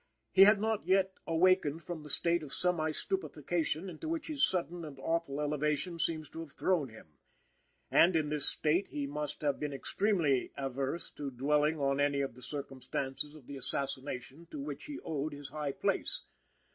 He had not yet awakened from the state of semi stupefaction into which his sudden and awful elevation seems to have thrown him; and, in this state, he must have been extremely averse to dwelling on any of the circumstances of the assassination to which he owed his high place.